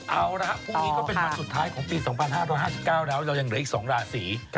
เอาละพรุ่งนี้ก็เป็นวันสุดท้ายของปี๒๕๕๙แล้วเรายังเหลืออีก๒ราศี